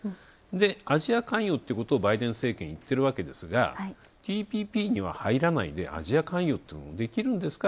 アジア関与っていうことをバイデン政権、言ってるわけですが、ＴＰＰには入らないでアジア関与ができるんですか。